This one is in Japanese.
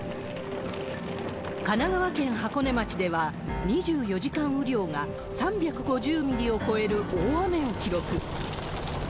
神奈川県箱根町では２４時間雨量が３５０ミリを超える大雨を記録。